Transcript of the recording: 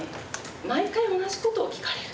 「毎回同じことを聞かれる。